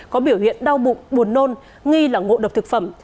có biểu hiện đau bụng buồn nôn nghi là ngộ độc thực phẩm